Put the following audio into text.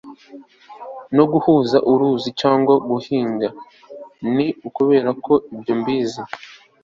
no guhuza uruzi cyangwa guhiga? ni ukubera ko ibyo mbizi